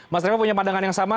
mas revo punya pandangan yang sama